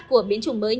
các tế bào bị nhiễm bệnh